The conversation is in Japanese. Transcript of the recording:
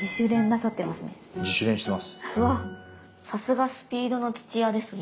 さすがスピードの土屋ですね。